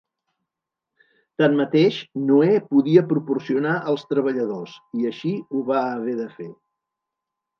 Tanmateix, Noè podia proporcionar els treballadors i així ho va haver de fer.